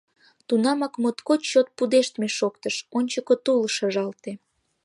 Тунамак моткоч чот пудештме шоктыш, ончыко тул шыжалте.